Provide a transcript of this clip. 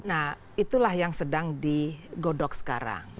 nah itulah yang sedang digodok sekarang